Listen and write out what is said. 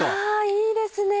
いいですね！